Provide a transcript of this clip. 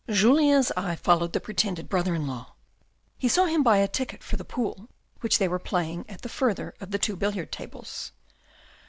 Julien's eye followed the pretended brother in law. He saw him buy a ticket for the pool, which they were playing at the further of the two billiard tables.